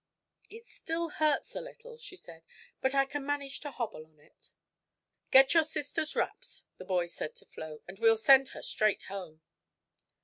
"It still hurts a little," she said, "but I can manage to hobble on it." "Get your sister's wraps," the boy said to Flo, "and we'll send her straight home."